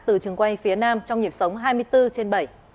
từ trường quay phía nam trong nhịp sống hai mươi bốn trên bảy